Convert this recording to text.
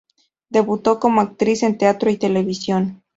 Debutó como actriz en teatro y televisión.